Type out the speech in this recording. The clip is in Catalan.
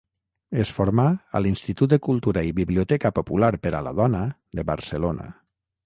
Es formà a l'Institut de Cultura i Biblioteca Popular per a la Dona de Barcelona.